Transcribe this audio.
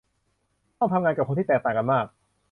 ต้องทำงานกับคนที่แตกต่างกันมาก